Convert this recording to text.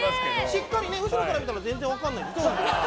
しっかり後ろから見たら全然分からない。